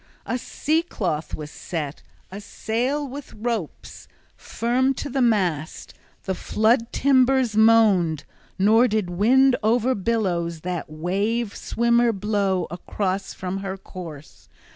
A sea cloth was set, a sail with ropes, firm to the mast; the flood timbers moaned; {27a} nor did wind over billows that wave swimmer blow across from her course.